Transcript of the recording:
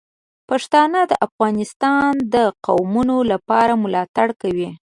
پښتانه د افغانستان د قومونو لپاره ملاتړ کوي.